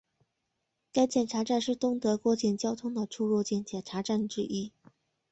该检查站是东德过境交通的出入境检查站之一。